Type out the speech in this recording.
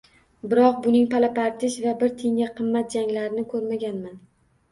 Biroq buning pala-partish va bir tiyinga qimmat janglarini ko‘rmaganman.